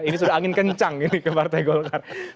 ini sudah angin kencang ini ke partai gol karsita